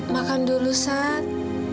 makan dulu saat